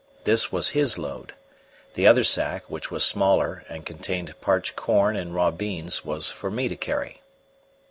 This was his load; the other sack, which was smaller and contained parched corn and raw beans, was for me to carry.